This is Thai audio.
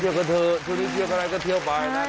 เที่ยวกับเธอช่วงนี้เที่ยวกันแล้วก็เที่ยวไปนะ